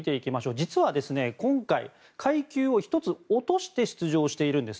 実は今回、階級を１つ落として出場しているんです。